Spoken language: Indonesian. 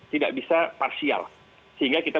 tidak bisa parsial sehingga kita